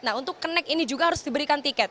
nah untuk connec ini juga harus diberikan tiket